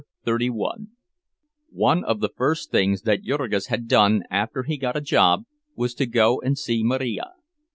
CHAPTER XXXI One of the first things that Jurgis had done after he got a job was to go and see Marija.